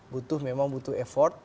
butuh memang butuh effort